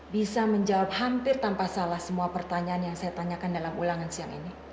bisa menjawab hampir tanpa salah semua pertanyaan yang saya tanyakan dalam ulangan siang ini